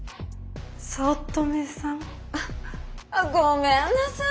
早乙女さん？あっごめんなさい！